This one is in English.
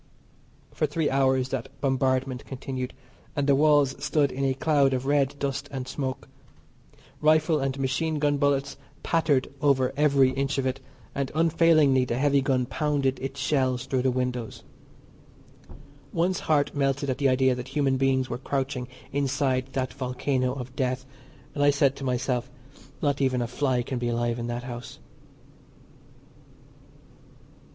For three hours that bombardment continued, and the walls stood in a cloud of red dust and smoke. Rifle and machine gun bullets pattered over every inch of it, and, unfailingly the heavy gun pounded its shells through the windows. One's heart melted at the idea that human beings were crouching inside that volcano of death, and I said to myself, "Not even a fly can be alive in that house."